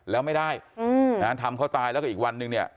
แล้วไม่ได้ดังนั้นธรรมเขาตายแล้วก็อีกวันหนึ่งเนี่ย